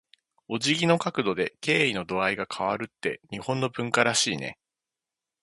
お辞儀の角度で、敬意の度合いが変わるって日本の文化らしいね。